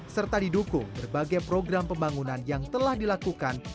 serta didukung berbagai program pembangunan yang telah dilakukan